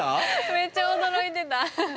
めちゃ驚いてた。